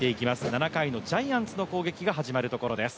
７回のジャイアンツの攻撃が始まるところです。